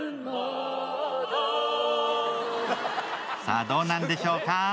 さぁ、どうなんでしょうか。